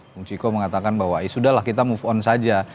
bung ciko mengatakan bahwa ya sudah lah kita move on saja